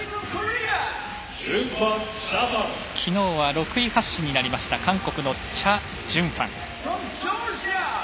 昨日は６位発進になりました韓国のチャ・ジュンファン。